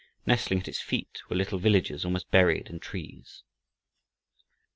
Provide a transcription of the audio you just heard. Nestling at its feet were little villages almost buried in trees.